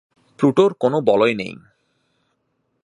প্লুটোর কোন বলয় নেই।